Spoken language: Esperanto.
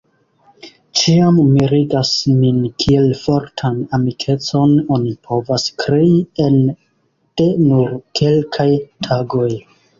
Ĉiam mirigas min kiel fortan amikecon oni povas krei ene de nur kelkaj tagoj.